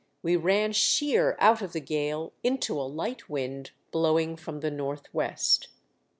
we ran sheer out of the gale into a light wind, blowinor from the north west.